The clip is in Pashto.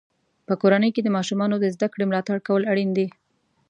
په کورنۍ کې د ماشومانو د زده کړې ملاتړ کول اړین دی.